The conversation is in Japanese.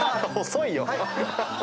遅いよ。